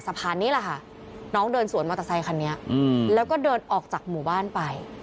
สะพานนี้แหละค่ะน้องเดินสวนมอเตอร์ไซคันนี้แล้วก็เดินออกจากหมู่บ้านไป